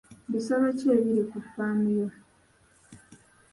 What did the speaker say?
Bisolo ki ebiri ku ffaamu yo?